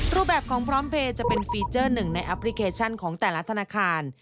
รูปแบบของพร้อมเพลย์จะเป็นฟีเจอร์หนึ่งในแอปพลิเคชันของแต่ละธนาคาร